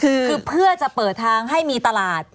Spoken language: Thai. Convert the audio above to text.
คือคือเพื่อจะเปิดทางให้มีตลาด